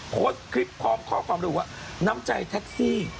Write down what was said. โค้ดคลิปข้อความรู้น้ำใจแท็กซี่